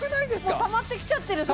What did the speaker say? もうたまってきちゃってる